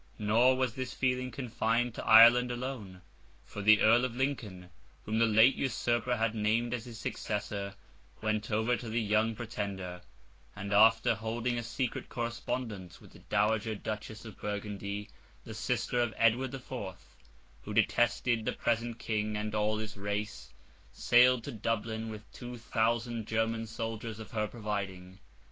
Nor was this feeling confined to Ireland alone, for the Earl of Lincoln—whom the late usurper had named as his successor—went over to the young Pretender; and, after holding a secret correspondence with the Dowager Duchess of Burgundy—the sister of Edward the Fourth, who detested the present King and all his race—sailed to Dublin with two thousand German soldiers of her providing.